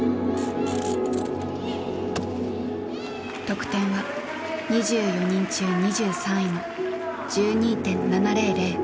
得点は２４人中２３位の１２．７００。